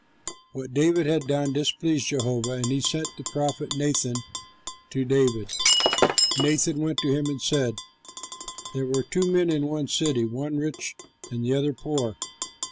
What David had done displeased Jehovah and he sent the prophet Nathan to David. Nathan went to him and said, "There were two men in one city, the one rich and the other poor.